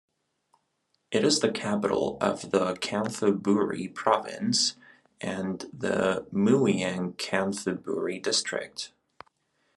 It is the capital of the Chanthaburi Province and the Mueang Chanthaburi district.